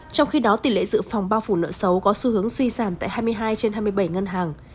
trong khi đó tỷ lệ dự phòng bao phủ nợ xấu có xu hướng suy giảm tại hai mươi hai trên hai mươi bảy ngân hàng